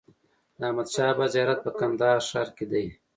د احمدشاه بابا زيارت په کندهار ښار کي دئ.